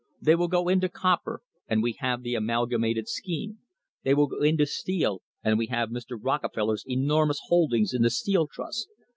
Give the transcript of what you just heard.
They will go into copper, and we have the Amalgamated scheme. They will go into steel, and we have Mr. Rockefel ler's enormous holdings in the Steel Trust.